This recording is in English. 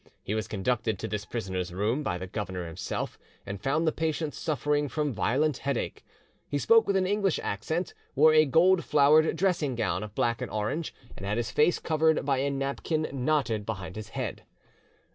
He was conducted to this prisoner's room by the governor himself, and found the patient suffering from violent headache. He spoke with an English accent, wore a gold flowered dressing gown of black and orange, and had his face covered by a napkin knotted behind his head."